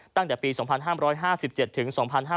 ตั้งแต่ปี๒๕๕๗ถึง๒๕๕๙